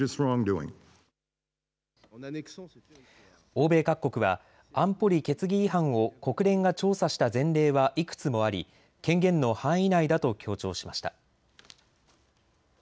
欧米各国は安保理決議違反を国連が調査した前例はいくつもあり権限の範囲内だと強調しました。